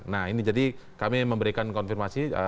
nah ini jadi kami memberikan konfirmasi